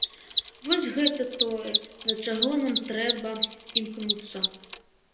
Вось гэта тое, да чаго нам трэба імкнуцца.